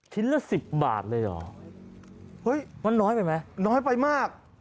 ชิ้นละ๑๐บาทเลยเหรอมันน้อยไปไหมน้อยไปมาก